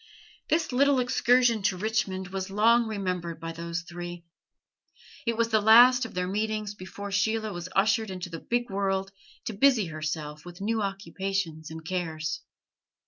This little excursion to Richmond was long remembered by those three. It was the last of their meetings before Sheila was ushered into the big world to busy herself with new occupations and cares.